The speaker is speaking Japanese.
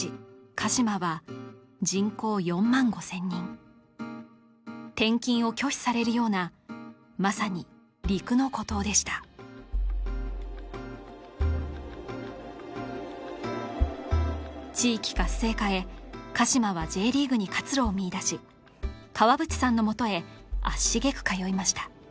鹿島は人口４万５０００人転勤を拒否されるようなまさに陸の孤島でした地域活性化へ鹿島はＪリーグに活路を見いだし川淵さんのもとへ足しげく通いました